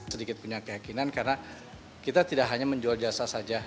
sedikit punya keyakinan karena kita tidak hanya menjual jasa saja